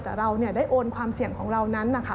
แต่เราได้โอนความเสี่ยงของเรานั้นนะคะ